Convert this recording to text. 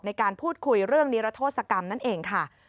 ในการพูดคุยเรื่องนิรโทษกรรมนั่นเองค่ะ